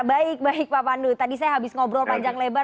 baik baik pak pandu tadi saya habis ngobrol panjang lebar